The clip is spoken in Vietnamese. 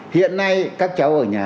hiện nay các cháu ở nhà